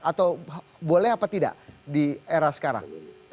atau boleh apa tidak di era sekarang